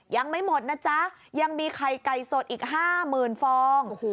ยังไม่หมดนะจ๊ะยังมีไข่ไก่สดอีก๕๐๐๐ฟอง